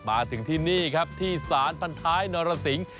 มาถึงที่นี่ครับที่สารพันท้ายนรสิง